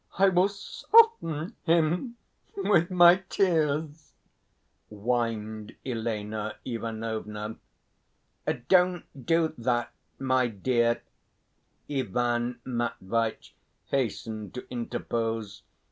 I will soften him with my tears," whined Elena Ivanovna. "Don't do that, my dear," Ivan Matveitch hastened to interpose.